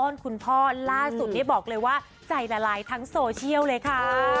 คุณพ่อล่าสุดนี่บอกเลยว่าใจละลายทั้งโซเชียลเลยค่ะ